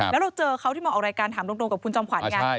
แล้วเราเจอเขาที่มาออกรายการถามตรงกับคุณจอมขวัญไง